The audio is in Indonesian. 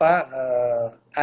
ada sedikit peningkatan